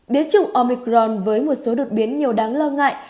biến chủng omicron với một số đột biến nhiều đáng lo ngại